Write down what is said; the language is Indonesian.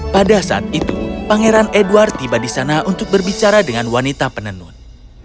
pada saat itu pangeran edward tiba di sana untuk berbicara dengan wanita penenun